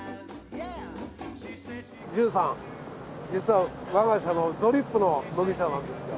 純次さん実は我が社のドリップの麦茶なんですよ。